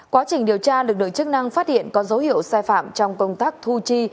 quá trình điều tra lực lượng chức năng phát hiện có dấu hiệu sai phạm trong công tác thu chi